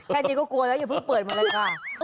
แค่นี้ก็กลัวแล้วอย่าเพิ่งเปิดมาเลยค่ะ